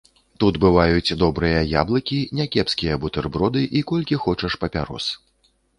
Тут бываюць добрыя яблыкі, някепскія бутэрброды і колькі хочаш папярос.